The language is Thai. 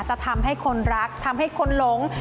จะทำให้คนรักทำให้คนหลง